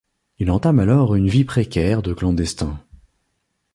Il entame alors une vie précaire de clandestin.